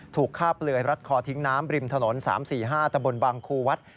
ถูกฆ่าเปลือยรัดคอทิ้งน้ำริมถนน๓๔๕ตะบนบางครูวัด